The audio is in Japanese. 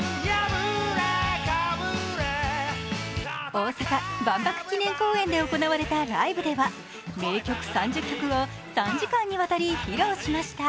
大阪・万博記念公園で行われたライブでは名曲３０曲を３時間にわたり披露しました。